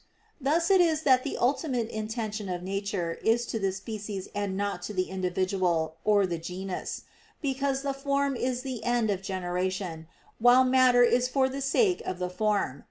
Thus it is that the ultimate intention of nature is to the species and not to the individual, or the genus: because the form is the end of generation, while matter is for the sake of the form.